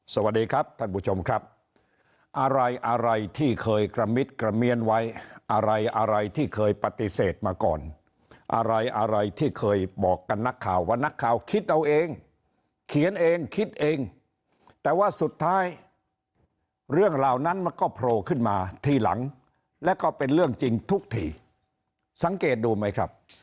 สวัสดีครับท่านผู้ชมครับอะไรอะไรที่เคยกระมิดกระเมียนไว้อะไรอะไรที่เคยปฏิเสธมาก่อนอะไรอะไรที่เคยบอกกับนักข่าวว่านักข่าวคิดเอาเองเขียนเองคิดเองแต่ว่าสุดท้ายเรื่องราวนั้นมันก็โผล่ขึ้นมาทีหลังและก็เป็นเรื่องจริงทุกทีสังเกตดูไหมครับ